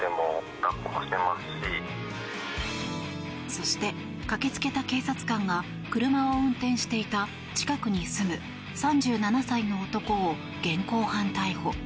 そして駆けつけた警察官が車を運転していた近くに住む３７歳の男を現行犯逮捕。